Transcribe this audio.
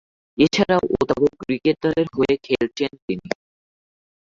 এছাড়াও, Otago cricket দলের হয়ে খেলছেন তিনি।